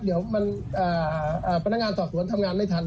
เดี๋ยวพนักงานสอบสวนทำงานไม่ทัน